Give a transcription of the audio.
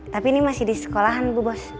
tapi ini masih di sekolahan bu bos